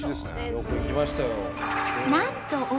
よく行きましたよ。